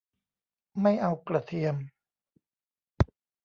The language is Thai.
ไม่เอากระเทียม